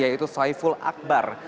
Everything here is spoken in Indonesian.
yaitu saiful akbar